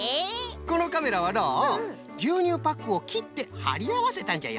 このカメラはのうぎゅうにゅうパックをきってはりあわせたんじゃよ。